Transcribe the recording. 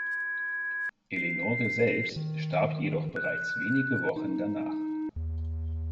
Eleonore selbst starb jedoch bereits wenige Wochen danach.